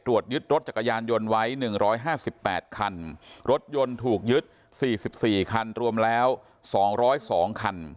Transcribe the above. ตรวจยึดรถจักรยานยนต์ไว้๑๕๘คันรถยนต์ถูกยึด๔๔คันรวมแล้ว๒๐๒คัน